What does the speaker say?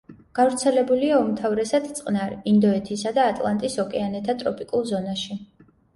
გავრცელებულია უმთავრესად წყნარ, ინდოეთისა და ატლანტის ოკეანეთა ტროპიკულ ზონაში.